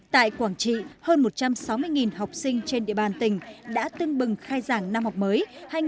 tại quảng trị hơn một trăm sáu mươi học sinh trên địa bàn tỉnh đã tương bừng khai giảng năm học mới hai nghìn một mươi sáu hai nghìn một mươi bảy